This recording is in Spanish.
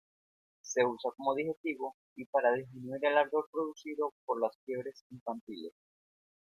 Se usa como digestivo y para disminuir el ardor producido por las fiebres infantiles.